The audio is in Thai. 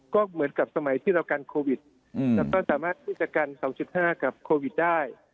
ก็เหมือนกับสมัยที่เรากันโควิดแล้วก็สามารถที่จะกัน๒๕กับโควิดได้